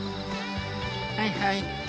はいはい。